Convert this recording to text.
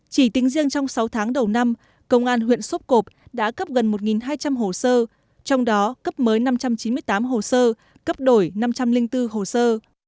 chỉ tính riêng trong sáu tháng đầu năm công an huyện sốp cộp đã cấp gần một hai trăm linh hồ sơ trong đó cấp mới năm trăm chín mươi tám hồ sơ cấp đổi năm trăm linh bốn hồ sơ